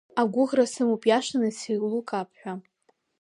Агәыӷра сымоуп иашаны сеилукаап ҳәа!